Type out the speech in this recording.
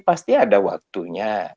pasti ada waktunya